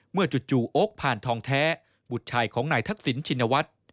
เมื่อจุดจู่โอ๊คพานทองแท้บุตรชายของนายทักษิณชินวัตร